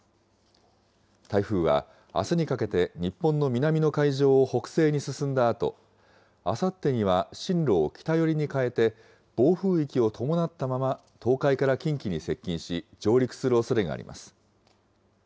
台風はあすにかけて、日本の南の海上を北西に進んだあと、あさってには進路を北寄りに変えて、暴風域を伴ったまま、東海から近畿に接近し上陸するおそれがあります。